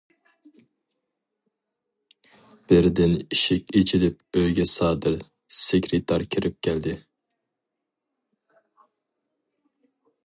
بىردىن ئىشىك ئېچىلىپ ئۆيگە سادىر سېكرېتار كىرىپ كەلدى.